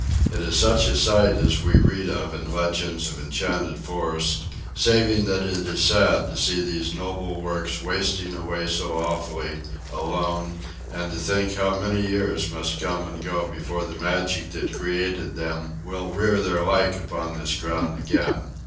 It is such a sight as we read of in legends of enchanted forests: saving that it is sad to see these noble works wasting away so awfully, alone; and to think how many years must come and go before the magic that created them will rear their like upon this ground again.